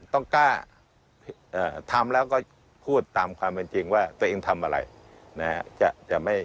ต้องกล้าทำแล้วก็พูดตามความเป็นจริงว่าตัวเองทำอะไรนะฮะ